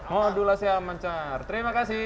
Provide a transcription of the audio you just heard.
modulasi lancar terima kasih